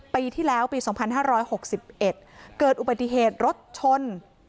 ปีที่แล้วปี๒๕๖๑เกิดอุบัติเหตุรถชน